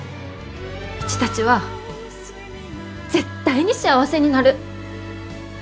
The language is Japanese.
うちたちは絶対に幸せになる！